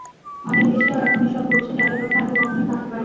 অনেক দেশেও এখন এসব ঘটছে, যাদের কথা আগে কখনোই ভাবতে পারিনি।